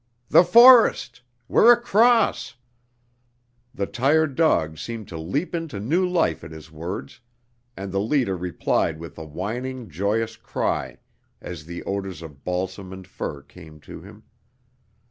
"The forest! We're across!" The tired dogs seemed to leap into new life at his words, and the leader replied with a whining joyous cry as the odors of balsam and fir came to him.